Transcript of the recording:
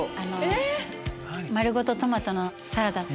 丸ごとトマトのサラダ。